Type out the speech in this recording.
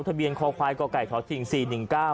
ทะเบียนคอควายก่อไก่ท้อชิงสี่หนึ่งเก้า